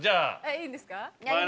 いいんですか。